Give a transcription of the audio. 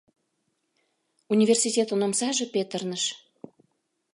Университетын омсаже петырныш.